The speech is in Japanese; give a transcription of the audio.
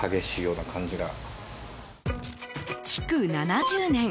築７０年。